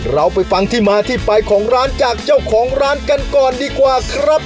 เราไปฟังที่มาที่ไปของร้านจากเจ้าของร้านกันก่อนดีกว่าครับ